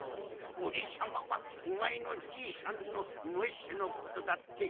おれさまはおまえのじいさんのムッシュのことだってしっとるわい！